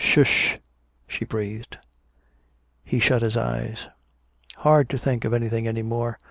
"Sh h h," she breathed. He shut his eyes. "Hard to think of anything any more.